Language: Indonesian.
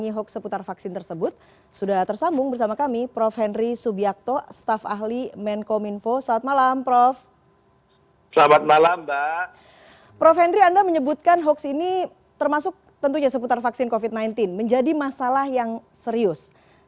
ini termasuk tentunya seputar vaksin covid sembilan belas menjadi masalah yang serius